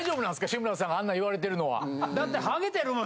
志村さんがあんなん言われてるのは。